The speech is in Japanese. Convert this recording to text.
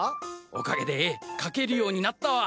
おかげで絵描けるようになったわ。